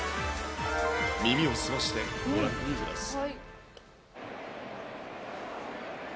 耳を澄ましてご覧ください。